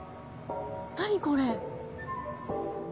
何これ？